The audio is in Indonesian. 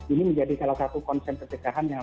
ini menjadi salah satu konsep pencegahan yang